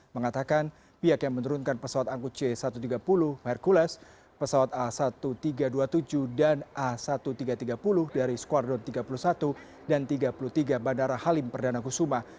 mengatakan pihak yang menurunkan pesawat angkut c satu ratus tiga puluh hercules pesawat a seribu tiga ratus dua puluh tujuh dan a seribu tiga ratus tiga puluh dari squadron tiga puluh satu dan tiga puluh tiga bandara halim perdana kusuma